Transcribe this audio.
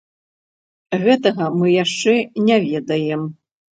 Гэтага мы яшчэ не ведаем.